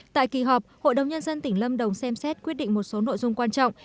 tại kỳ họp hội đồng nhân dân tỉnh lâm đồng xem xét quyết định một số nội dung quan trọng